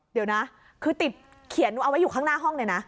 เดี๋ยวนะคือติดเขียนเอาไว้อยู่ข้างหน้าห้องเลยนะ